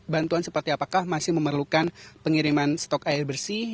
bantuan seperti apakah masih memerlukan pengiriman stok air bersih